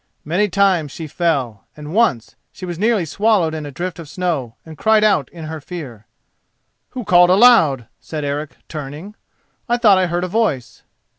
Many times she fell, and once she was nearly swallowed in a drift of snow and cried out in her fear. "Who called aloud?" said Eric, turning; "I thought I heard a voice."